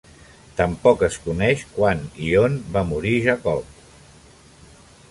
Tampoc es coneix quan i on va morir Jacob.